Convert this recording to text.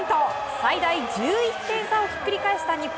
最大１１点差をひっくり返した日本。